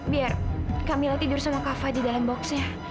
biar kak mila tidur sama kak fadil di dalam box nya